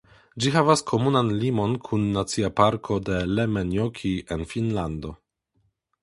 Ĝi havas komunan limon kun Nacia Parko de Lemmenjoki en Finnlando.